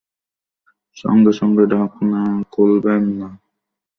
সঙ্গে সঙ্গে ঢাকনা খুলবেন না।